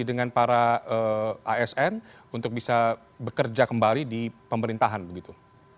dengan para asn untuk bisa bekerja kembali di pemerintahan begitu